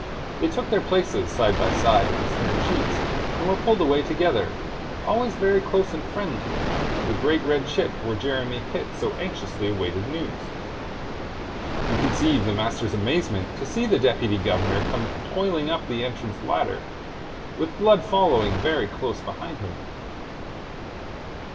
They took their places side by side in the stern sheets, and were pulled away together, always very close and friendly, to the great red ship where Jeremy Pitt so anxiously awaited news. You conceive the master's amazement to see the Deputy Governor come toiling up the entrance ladder, with Blood following very close behind him.